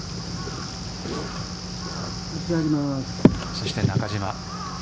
そして中島。